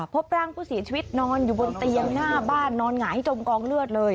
พบร่างผู้เสียชีวิตนอนอยู่บนเตียงหน้าบ้านนอนหงายจมกองเลือดเลย